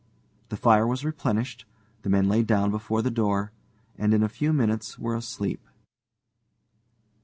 The fire was replenished, the men lay down before the door, and in a few minutes were asleep.